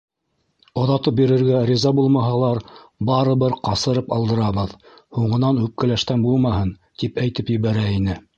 Оҙатып бирергә риза булмаһалар, барыбер ҡасырып алдырабыҙ, һуңынан үпкәләштән булмаһын, — тип әйтеп ебәрә ине.